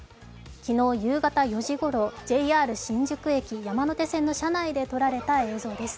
昨日夕方４時ごろ、ＪＲ新宿駅山手線の車内で撮られた映像です。